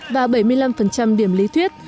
và bảy mươi năm điểm lý thuyết